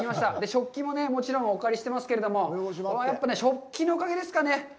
食器ももちろんお借りしてますけども、やっぱり食器のおかげですかね。